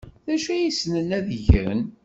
D acu ay ssnen ad gen?